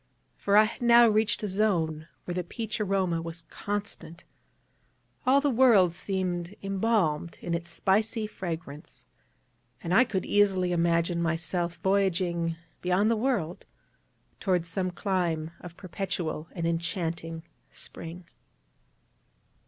For I had now reached a zone where the peach aroma was constant; all the world seemed embalmed in its spicy fragrance; and I could easily imagine myself voyaging beyond the world toward some clime of perpetual and enchanting Spring.